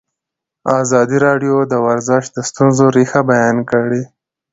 ازادي راډیو د ورزش د ستونزو رېښه بیان کړې.